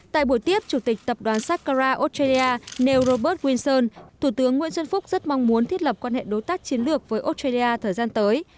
tại buổi tiếp chủ tịch tập đoàn saqqara australia neil robert wilson thủ tướng nguyễn xuân phúc rất mong muốn thiết lập quan hệ đối tác chiến lược với australia thời gian tới